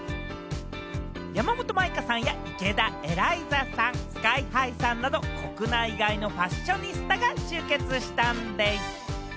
山本舞香さんや池田エライザさん、ＳＫＹ−ＨＩさんなど、国内外のファッショニスタが集結したんでぃす。